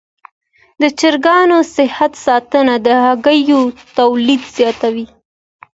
د چرګانو صحي ساتنه د هګیو تولید زیاتوي.